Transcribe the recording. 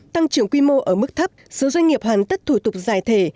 tăng trưởng quy mô ở mức thấp số doanh nghiệp hoàn tất thủ tục giải thể